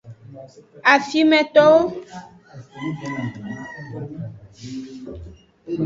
Afimetowo.